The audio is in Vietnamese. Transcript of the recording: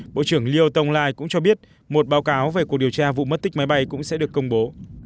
bộ trưởng leo tonglai cũng cho biết một báo cáo về cuộc điều tra vụ mất tích máy bay cũng sẽ được công bố